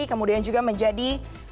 kemudian juga menjadi